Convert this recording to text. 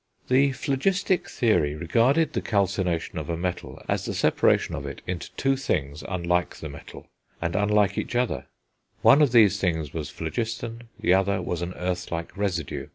The phlogistic theory regarded the calcination of a metal as the separation of it into two things, unlike the metal, and unlike each other; one of these things was phlogiston, the other was an earth like residue.